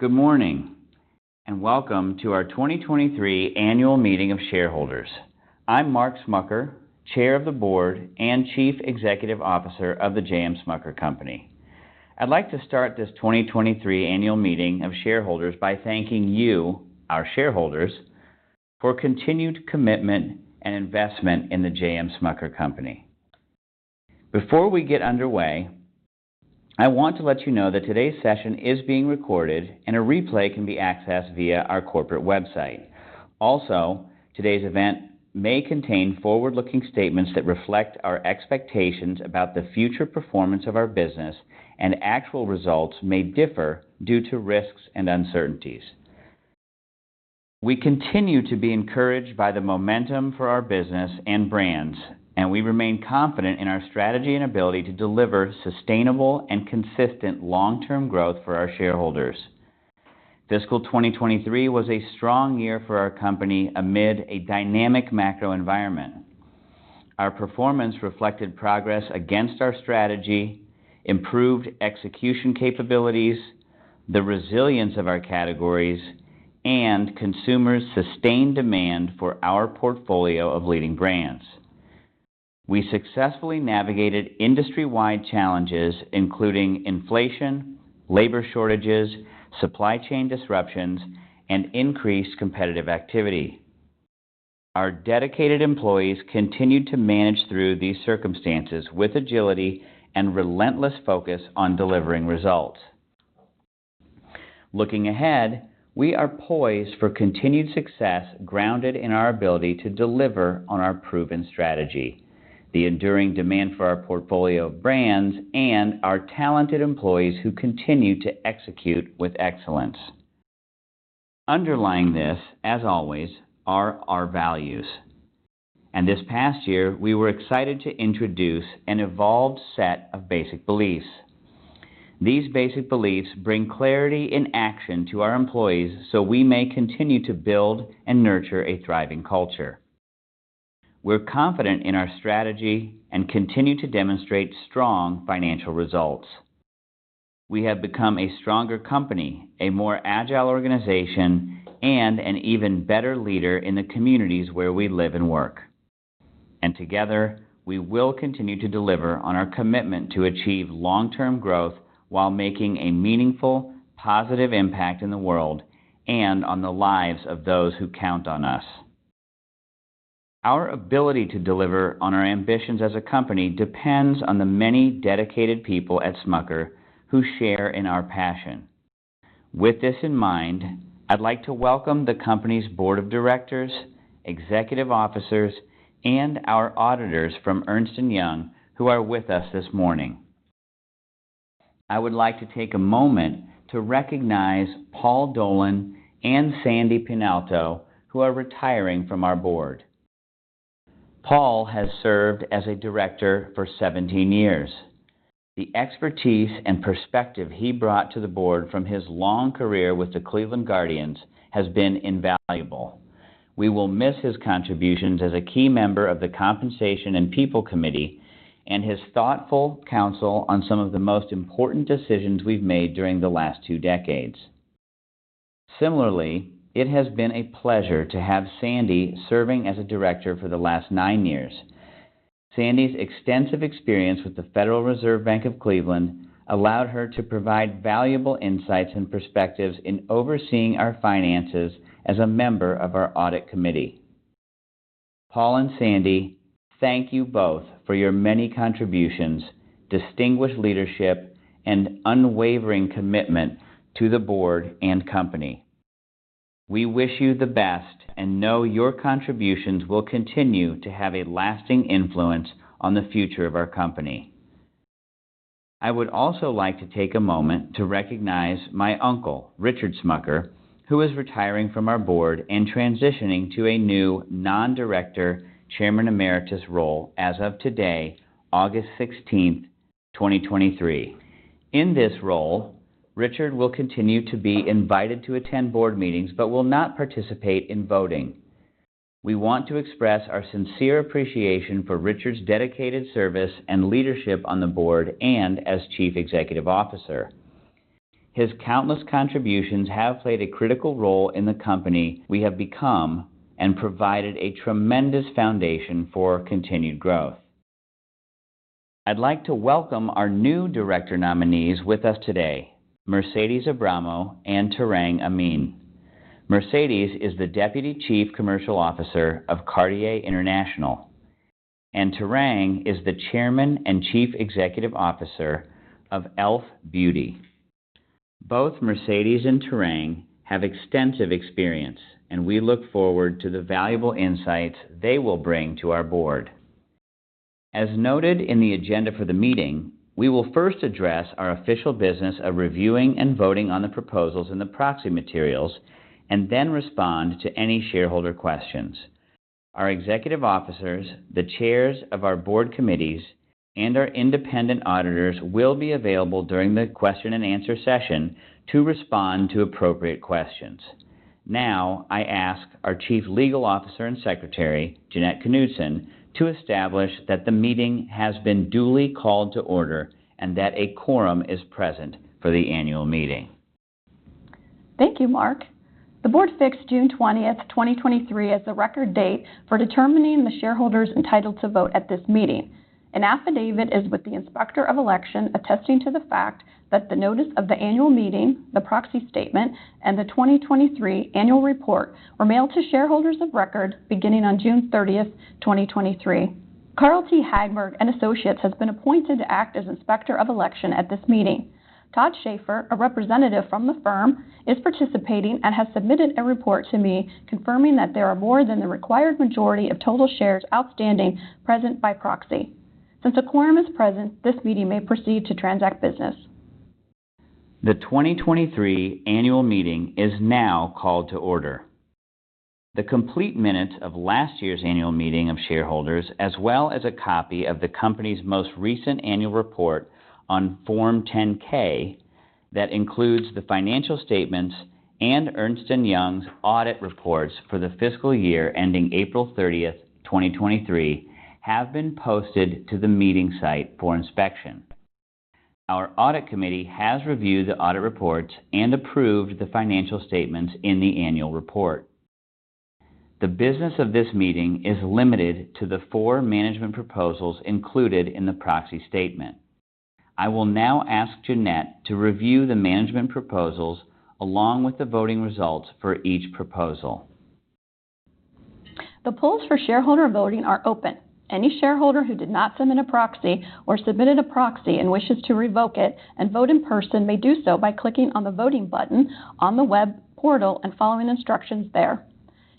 Good morning, and welcome to our 2023 Annual Meeting of Shareholders. I'm Mark Smucker, Chair of the Board and Chief Executive Officer of The J.M. Smucker Company. I'd like to start this 2023 Annual Meeting of Shareholders by thanking you, our shareholders, for continued commitment and investment in The J.M. Smucker Company. Before we get underway, I want to let you know that today's session is being recorded and a replay can be accessed via our corporate website. Today's event may contain forward-looking statements that reflect our expectations about the future performance of our business, and actual results may differ due to risks and uncertainties. We continue to be encouraged by the momentum for our business and brands, and we remain confident in our strategy and ability to deliver sustainable and consistent long-term growth for our shareholders. Fiscal 2023 was a strong year for our company amid a dynamic macro environment. Our performance reflected progress against our strategy, improved execution capabilities, the resilience of our categories, and consumers' sustained demand for our portfolio of leading brands. We successfully navigated industry-wide challenges, including inflation, labor shortages, supply chain disruptions, and increased competitive activity. Our dedicated employees continued to manage through these circumstances with agility and relentless focus on delivering results. Looking ahead, we are poised for continued success, grounded in our ability to deliver on our proven strategy, the enduring demand for our portfolio of brands, and our talented employees who continue to execute with excellence. Underlying this, as always, are our values, and this past year, we were excited to introduce an evolved set of Basic Beliefs. These Basic Beliefs bring clarity and action to our employees, we may continue to build and nurture a thriving culture. We're confident in our strategy and continue to demonstrate strong financial results. We have become a stronger company, a more agile organization, and an even better leader in the communities where we live and work. Together, we will continue to deliver on our commitment to achieve long-term growth while making a meaningful, positive impact in the world and on the lives of those who count on us. Our ability to deliver on our ambitions as a company depends on the many dedicated people at Smucker who share in our passion. With this in mind, I'd like to welcome the company's board of directors, executive officers, and our auditors from Ernst & Young, who are with us this morning. I would like to take a moment to recognize Paul Dolan and Sandra Pianalto, who are retiring from our board. Paul has served as a director for 17 years. The expertise and perspective he brought to the board from his long career with the Cleveland Guardians has been invaluable. We will miss his contributions as a key member of the Compensation and People Committee and his thoughtful counsel on some of the most important decisions we've made during the last 2 decades. Similarly, it has been a pleasure to have Sandy serving as a director for the last nine years. Sandy's extensive experience with the Federal Reserve Bank of Cleveland allowed her to provide valuable insights and perspectives in overseeing our finances as a member of our Audit Committee. Paul and Sandy, thank you both for your many contributions, distinguished leadership, and unwavering commitment to the board and company. We wish you the best and know your contributions will continue to have a lasting influence on the future of our company. I would also like to take a moment to recognize my uncle, Richard Smucker, who is retiring from our board and transitioning to a new non-director, Chairman Emeritus role as of today, August 16, 2023. In this role, Richard will continue to be invited to attend board meetings but will not participate in voting. We want to express our sincere appreciation for Richard's dedicated service and leadership on the board and as chief executive officer. His countless contributions have played a critical role in the company we have become and provided a tremendous foundation for continued growth. I'd like to welcome our new director nominees with us today, Mercedes Abramo and Tarang Amin. Mercedes is the Deputy Chief Commercial Officer of Cartier International, and Tarang is the Chairman and Chief Executive Officer of e.l.f. Beauty. Both Mercedes and Tarang have extensive experience, and we look forward to the valuable insights they will bring to our board. As noted in the agenda for the meeting, we will first address our official business of reviewing and voting on the proposals in the proxy materials and then respond to any shareholder questions. Our executive officers, the chairs of our board committees, and our independent auditors will be available during the question and answer session to respond to appropriate questions. Now, I ask our Chief Legal Officer and Secretary, Jeannette Knudsen, to establish that the meeting has been duly called to order and that a quorum is present for the annual meeting. Thank you, Mark. The board fixed June 20, 2023, as the record date for determining the shareholders entitled to vote at this meeting. An affidavit is with the Inspector of Election attesting to the fact that the notice of the annual meeting, the proxy statement, and the 2023 annual report were mailed to shareholders of record beginning on June 30, 2023. Carl T. Hagberg & Associates has been appointed to act as Inspector of Election at this meeting. Todd Schaefer, a representative from the firm, is participating and has submitted a report to me confirming that there are more than the required majority of total shares outstanding present by proxy. Since a quorum is present, this meeting may proceed to transact business. The 2023 annual meeting is now called to order. The complete minutes of last year's annual meeting of shareholders, as well as a copy of the company's most recent annual report on Form 10-K, that includes the financial statements and Ernst & Young's audit reports for the fiscal year ending April 30, 2023, have been posted to the meeting site for inspection. Our Audit Committee has reviewed the audit reports and approved the financial statements in the annual report. The business of this meeting is limited to the four management proposals included in the proxy statement. I will now ask Jeannette to review the management proposals along with the voting results for each proposal. The polls for shareholder voting are open. Any shareholder who did not submit a proxy or submitted a proxy and wishes to revoke it and vote in person may do so by clicking on the voting button on the web portal and following the instructions there.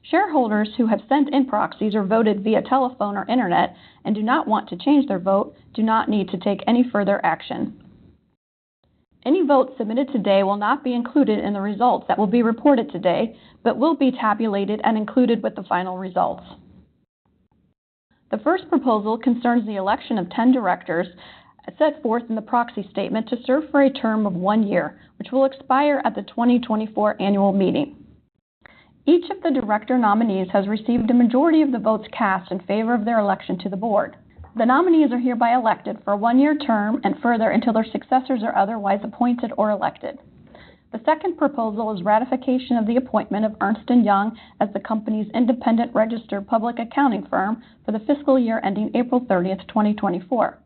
Shareholders who have sent in proxies or voted via telephone or internet and do not want to change their vote do not need to take any further action. Any votes submitted today will not be included in the results that will be reported today, but will be tabulated and included with the final results. The first proposal concerns the election of 10 directors set forth in the proxy statement to serve for a term of one year, which will expire at the 2024 Annual Meeting. Each of the director nominees has received a majority of the votes cast in favor of their election to the board. The nominees are hereby elected for a one-year term and further until their successors are otherwise appointed or elected. The second proposal is ratification of the appointment of Ernst & Young as the company's independent registered public accounting firm for the fiscal year ending April 30th, 2024.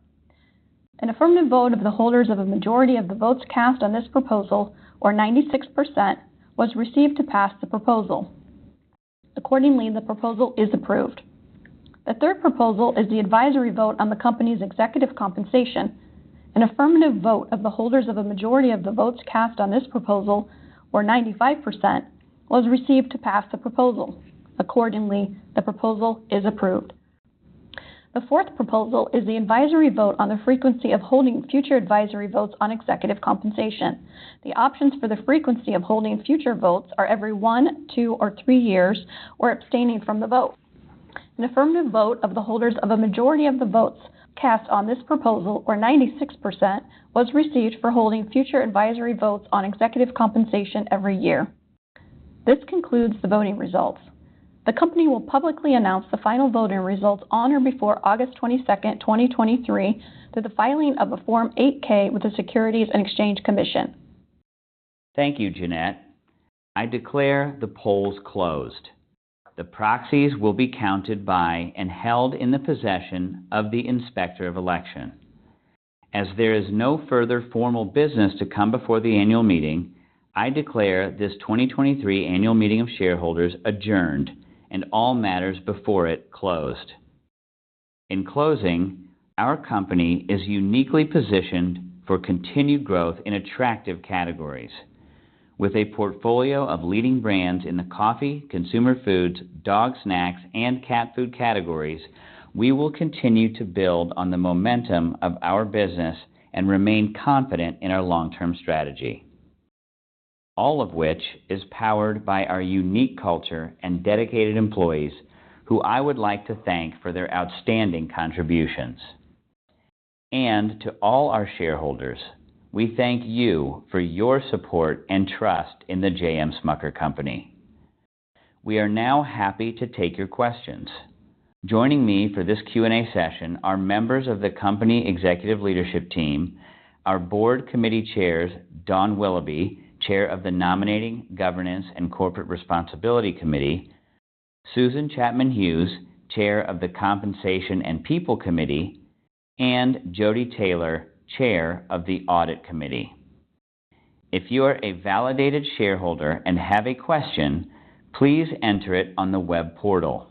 An affirmative vote of the holders of a majority of the votes cast on this proposal, or 96%, was received to pass the proposal. Accordingly, the proposal is approved. The third proposal is the advisory vote on the company's executive compensation. An affirmative vote of the holders of a majority of the votes cast on this proposal, or 95%, was received to pass the proposal. Accordingly, the proposal is approved. The fourth proposal is the advisory vote on the frequency of holding future advisory votes on executive compensation. The options for the frequency of holding future votes are every one, two, or three years or abstaining from the vote. An affirmative vote of the holders of a majority of the votes cast on this proposal, or 96%, was received for holding future advisory votes on executive compensation every year. This concludes the voting results. The company will publicly announce the final voting results on or before August 22, 2023, through the filing of a Form 8-K with the Securities and Exchange Commission. Thank you, Jeannette. I declare the polls closed. The proxies will be counted by and held in the possession of the Inspector of Election. As there is no further formal business to come before the annual meeting, I declare this 2023 Annual Meeting of Shareholders adjourned and all matters before it closed. In closing, our company is uniquely positioned for continued growth in attractive categories. With a portfolio of leading brands in the coffee, consumer foods, dog snacks, and cat food categories, we will continue to build on the momentum of our business and remain confident in our long-term strategy. All of which is powered by our unique culture and dedicated employees, who I would like to thank for their outstanding contributions. To all our shareholders, we thank you for your support and trust in The J.M. Smucker Company. We are now happy to take your questions. Joining me for this Q&A session are members of the company Executive Leadership Team, our board committee Chairs, Dawn Willoughby, Chair of the Nominating, Governance, and Corporate Responsibility Committee, Susan Chapman-Hughes, Chair of the Compensation and People Committee, and Jodi Taylor, Chair of the Audit Committee. If you are a validated shareholder and have a question, please enter it on the web portal.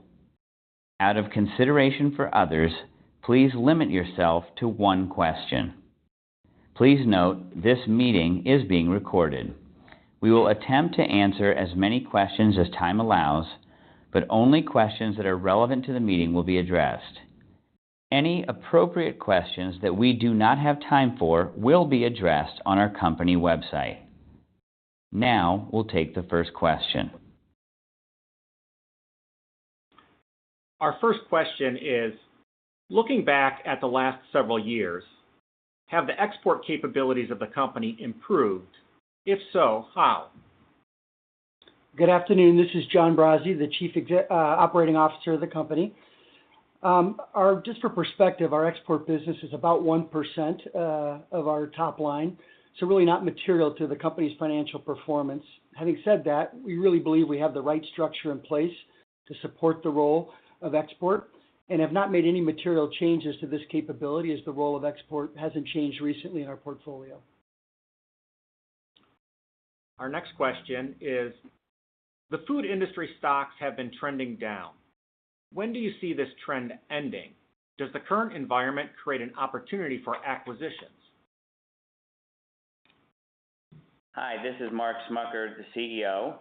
Out of consideration for others, please limit yourself to one question. Please note, this meeting is being recorded. We will attempt to answer as many questions as time allows, but only questions that are relevant to the meeting will be addressed. Any appropriate questions that we do not have time for will be addressed on our company website. Now, we'll take the first question. Our first question is, looking back at the last several years, have the export capabilities of the company improved? If so, how? Good afternoon. This is John Brase, the Chief Operating Officer of the company. Just for perspective, our export business is about 1% of our top line, so really not material to the company's financial performance. Having said that, we really believe we have the right structure in place to support the role of export, and have not made any material changes to this capability, as the role of export hasn't changed recently in our portfolio. Our next question is: the food industry stocks have been trending down. When do you see this trend ending? Does the current environment create an opportunity for acquisitions? Hi, this is Mark Smucker, the CEO.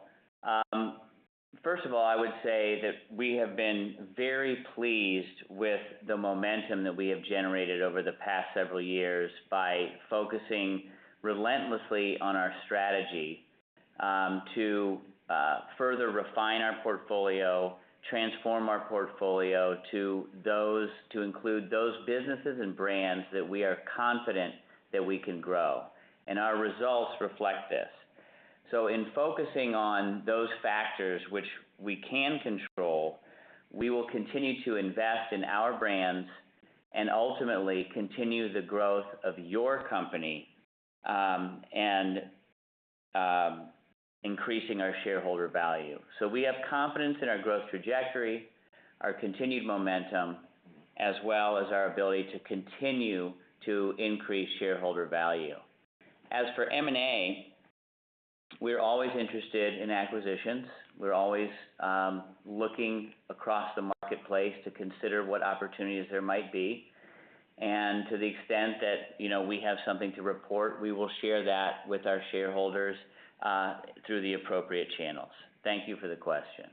First of all, I would say that we have been very pleased with the momentum that we have generated over the past several years by focusing relentlessly on our strategy to further refine our portfolio, transform our portfolio to include those businesses and brands that we are confident that we can grow. Our results reflect this. In focusing on those factors which we can control, we will continue to invest in our brands and ultimately continue the growth of your company and increasing our shareholder value. We have confidence in our growth trajectory, our continued momentum, as well as our ability to continue to increase shareholder value. As for M&A, we're always interested in acquisitions. We're always looking across the marketplace to consider what opportunities there might be. To the extent that, you know, we have something to report, we will share that with our shareholders, through the appropriate channels. Thank you for the question.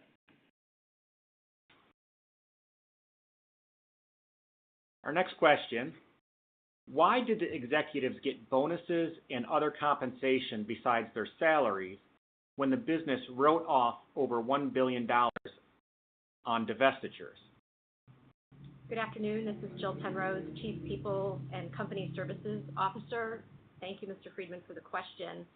Our next question: why did the executives get bonuses and other compensation besides their salaries when the business wrote off over $1 billion on divestitures? Good afternoon, this is Jill Penrose, Chief People and Company Services Officer. Thank you, Mr. Friedman, for the question.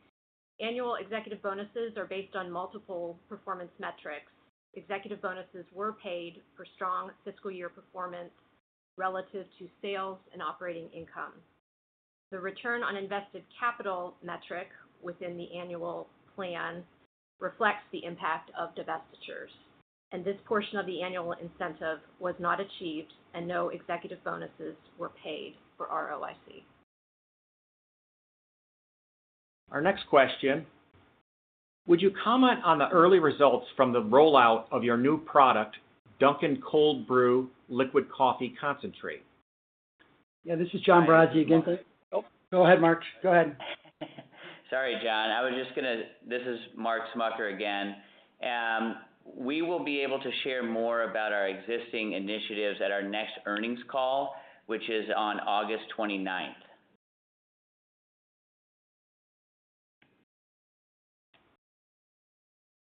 Annual executive bonuses are based on multiple performance metrics. Executive bonuses were paid for strong fiscal year performance relative to sales and operating income. The return on invested capital metric within the annual plan reflects the impact of divestitures, and this portion of the annual incentive was not achieved, and no executive bonuses were paid for ROIC. Our next question: would you comment on the early results from the rollout of your new product, Dunkin' Cold Brew Liquid Coffee Concentrate? Yeah, this is John Brase again. Oh, go ahead, Mark. Go ahead. Sorry, John. I was just gonna... This is Mark Smucker again. We will be able to share more about our existing initiatives at our next earnings call, which is on August 29th.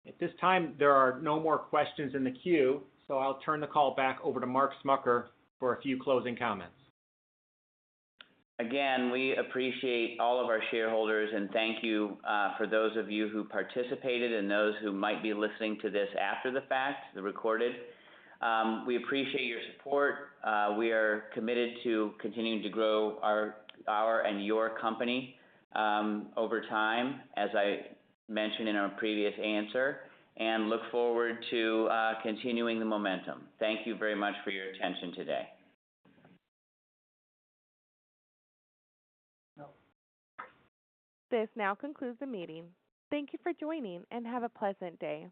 At this time, there are no more questions in the queue, so I'll turn the call back over to Mark Smucker for a few closing comments. We appreciate all of our shareholders, and thank you for those of you who participated and those who might be listening to this after the fact, the recorded. We appreciate your support. We are committed to continuing to grow our, our and your company over time, as I mentioned in our previous answer, and look forward to continuing the momentum. Thank you very much for your attention today. This now concludes the meeting. Thank you for joining, and have a pleasant day.